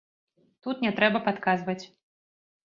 Тут не трэба падказваць.